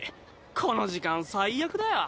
この時間最悪だよ。